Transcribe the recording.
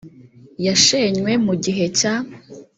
yashenywe mu gihe cya